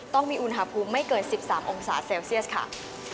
ต้องมีอุณหภูมิไม่เกิน๑๓องศาเซลเซียสค่ะ